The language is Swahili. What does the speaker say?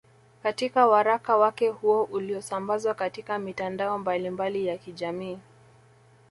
Katika waraka wake huo uliosambazwa katika mitandao mbalimbali ya kijamii